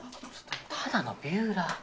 ただのビューラー。